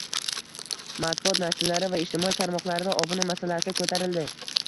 Matbuot nashrlari va ijtimoiy tarmoqlarda obuna masalasi ko'tarildi.